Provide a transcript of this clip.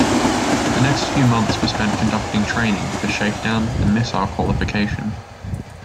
The next few months were spent conducting training for shakedown and missile qualification.